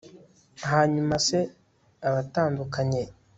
ha nyuma se abatandukanye